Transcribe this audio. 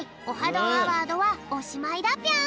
どんアワード」はおしまいだぴょん。